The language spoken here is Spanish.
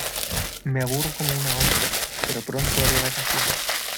Me aburro como una ostra, pero pronto haré vacaciones.